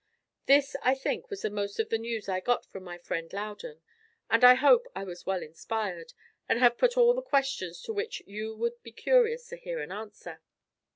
This, I think, was the most of the news I got from my friend Loudon; and I hope I was well inspired, and have put all the questions to which you would be curious to hear an answer.